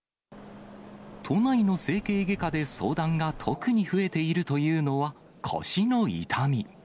都内の整形外科で相談が特に増えているというのは、腰の痛み。